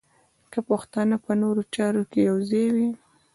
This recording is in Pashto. که پښتانه په نورو چارو کې یو ځای وای.